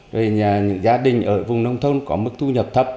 rồi những gia đình ở vùng nông thôn có mức thu nhập thấp